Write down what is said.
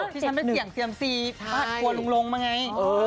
ที่ฉันไม่เสี่ยงเซียมซีปลอดภัยพวงรงมาไง